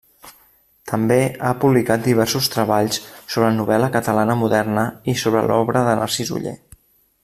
També ha publicat diversos treballs sobre novel·la catalana moderna i sobre l'obra de Narcís Oller.